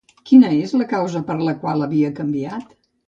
Quina era la causa per la qual havia canviat?